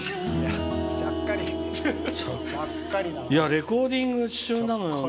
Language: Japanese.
レコーディング中なのよ。